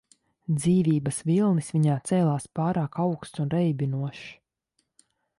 Dzīvības vilnis viņā cēlās pārāk augsts un reibinošs.